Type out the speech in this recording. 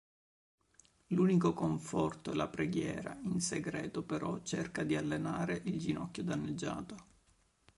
L'unico conforto è la preghiera, in segreto però cerca di allenare il ginocchio danneggiato.